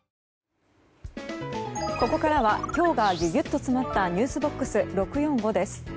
ここからは今日がギュギュッと詰まったｎｅｗｓＢＯＸ６４５です。